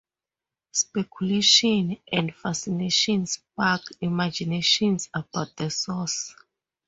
Speculation and fascination spark imaginations about the source.